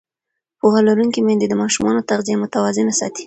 پوهه لرونکې میندې د ماشومانو تغذیه متوازنه ساتي.